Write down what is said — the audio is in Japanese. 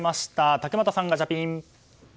竹俣さん、ガチャピン。